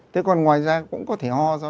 thế còn ngoài ra cũng có thể ho